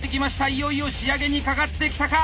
いよいよ仕上げにかかってきたか